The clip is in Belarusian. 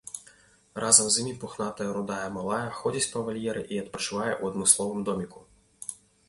Разам з імі пухнатая рудая малая ходзіць па вальеры і адпачывае ў адмысловым доміку.